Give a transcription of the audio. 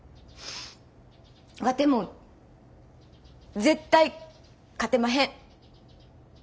ワテも絶対勝てまへん。